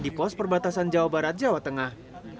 di pos perbatasan jawa barat jawa tengah